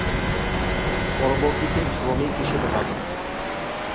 পরবর্তীতে শ্রমিক হিসেবে কাজ করেন।